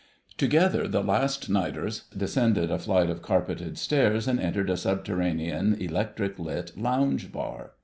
Together the "last nighters" descended a flight of carpeted stairs and entered a subterranean, electric lit lounge bar.